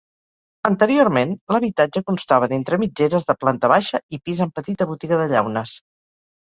Anteriorment, l'habitatge constava d'entre mitgeres de planta baixa i pis amb petita botiga de llaunes.